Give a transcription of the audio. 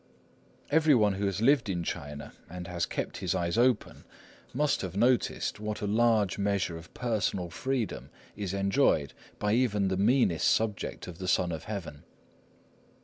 Every one who has lived in China, and has kept his eyes open, must have noticed what a large measure of personal freedom is enjoyed by even the meanest subject of the Son of Heaven.